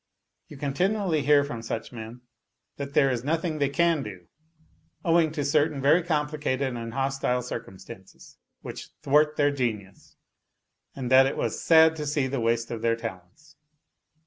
You continually hear from such men that there is nothing they can do owing to certain very complicated and hostile circumstances, which " thwart their genius," and that it was " sad to see the waste of their talents."